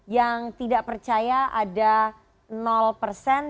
yang tidak percaya ada persen